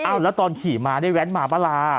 แล้วตอนขี่มาได้แว้นมาปะลา